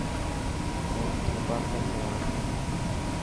هون ٿرپارڪر ۾ رهان ٿو.